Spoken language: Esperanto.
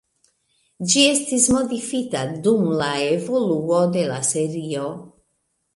Ĝi estis modifita dum la evoluo de la serio.